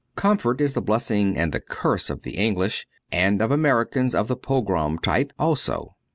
Comfort is the blessing and the curse of the English, and of Americans of the Pogram type also.